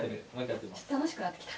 楽しくなってきた。